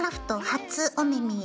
初お目見え。